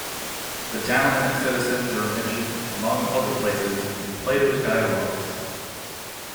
The town and its citizens are mentioned, among other places, in Plato's Dialogs.